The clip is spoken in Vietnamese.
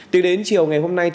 từ đến chiều ngày hôm nay